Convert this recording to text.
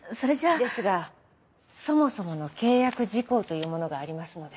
ですがそもそもの契約事項というものがありますので。